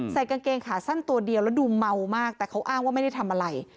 กางเกงขาสั้นตัวเดียวแล้วดูเมามากแต่เขาอ้างว่าไม่ได้ทำอะไร